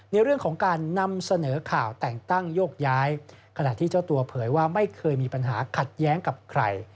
ในเรื่องของการนำเสนอข่าวแต่งตั้งโยกย้ายขณะที่เจ้าตัวเผยว่าไม่เคยมีปัญหาขัดแย้งกับใคร